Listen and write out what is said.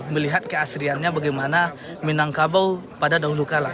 melihat keasliannya bagaimana minangkabau pada dahulu kalah